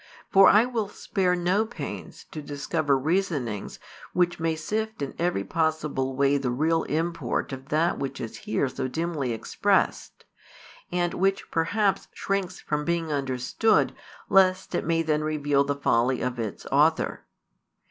For I will spare no pains to discover reasonings which may sift in |268 every possible way the real import of that which is here so dimly expressed, and which perhaps shrinks from being understood lest it may then reveal the folly of its author.